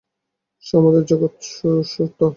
সমুদয় জগৎ সুষুপ্ত।